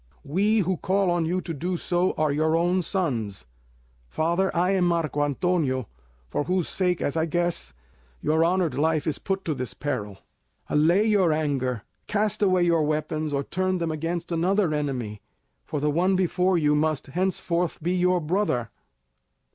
We who call on you to do so are your own sons! Father, I am Marco Antonio, for whose sake, as I guess, your honoured life is put to this peril. Allay your anger; cast away your weapons, or turn them against another enemy; for the one before you must henceforth be your brother."